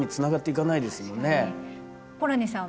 ホラニさん